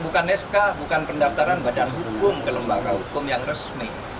bukan sk bukan pendaftaran badan hukum ke lembaga hukum yang resmi